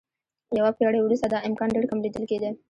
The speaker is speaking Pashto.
یوه پېړۍ وروسته دا امکان ډېر کم لیدل کېده.